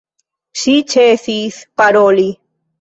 Ŝi ĉesis paroli.